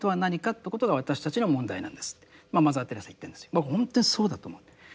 僕本当にそうだと思う。